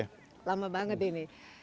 pembicara tujuh belas lama banget ini